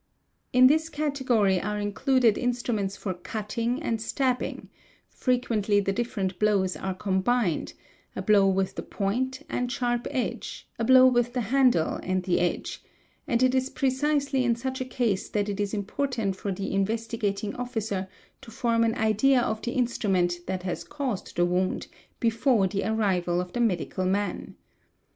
In this category are included instruments for cutting and stabbing ; frequently the different blows are combined—a blow with the point and sharp edge, a blow with the handle and the edge; and it is precisely in such a case that it is important for the Investigating Officer to form an idea of the instrument that has caused the wound, before the arrival of _ the medical man.